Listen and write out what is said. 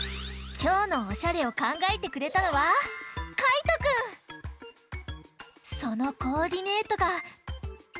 きょうのおしゃれをかんがえてくれたのはそのコーディネートがこちら！